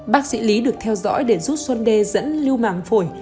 bác sĩ lý được theo dõi để giúp xuân đê dẫn lưu mạng phổi